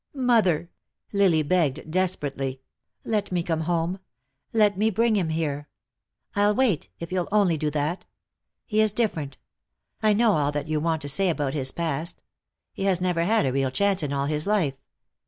"Mother," Lily begged, desperately, "let me come home. Let me bring him here. I'll wait, if you'll only do that. He is different; I know all that you want to say about his past. He has never had a real chance in all his life.